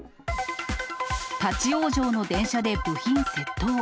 立往生の電車で部品窃盗。